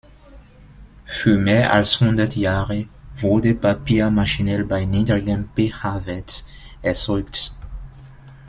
Für mehr als hundert Jahre wurde Papier maschinell bei niedrigem pH-Wert erzeugt.